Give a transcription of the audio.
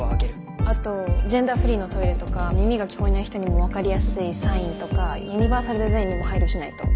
あとジェンダーフリーのトイレとか耳が聞こえない人にも分かりやすいサインとかユニバーサルデザインにも配慮しないと。